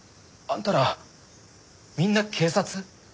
あんたらみんな警察？